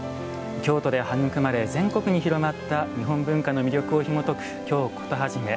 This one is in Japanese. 京都で育まれ、全国に広まった日本文化の魅力をひもとく「京コトはじめ」。